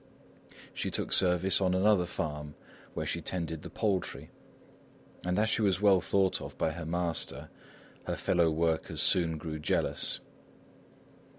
She took service on another farm where she tended the poultry; and as she was well thought of by her master, her fellow workers soon grew jealous.